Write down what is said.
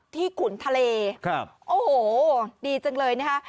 ขุนทะเลครับโอ้โหดีจังเลยนะคะ